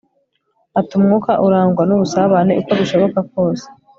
ari umwuka urangwa nubusabane uko bishoboka kose